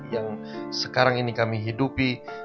yang sekarang ini kami hidupi